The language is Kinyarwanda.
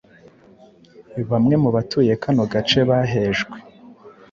bamwe mu batuye kano gace bahejwe